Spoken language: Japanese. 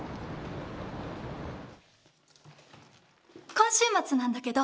今週末なんだけど。